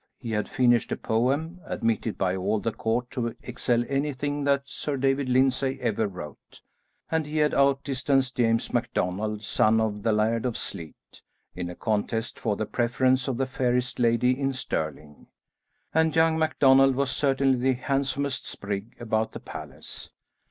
He had finished a poem, admitted by all the court to excel anything that Sir David Lyndsay ever wrote, and he had out distanced James MacDonald, son of the Laird of Sleat, in a contest for the preference of the fairest lady in Stirling, and young MacDonald was certainly the handsomest sprig about the palace.